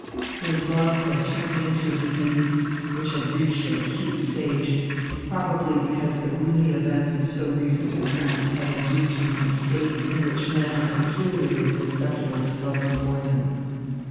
His love had turned into a disease, which had reached an acute stage, probably because the gloomy events of so recent occurrence had induced in him a state in which men are peculiarly susceptible to love's poison.